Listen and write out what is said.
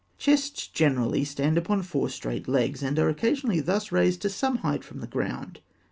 Chests generally stand upon four straight legs, and are occasionally thus raised to some height from the ground.